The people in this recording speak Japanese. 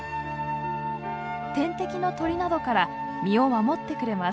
天敵の鳥などから身を守ってくれます。